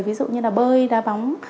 ví dụ như là bơi đá bóng